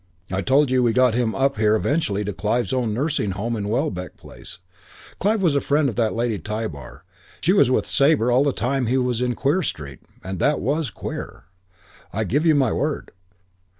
I told you we got him up here eventually to Clive's own nursing home in Welbeck Place. Clive was a friend of that Lady Tybar. She was with Sabre all the time he was in Queer Street and it was queer, I give you my word.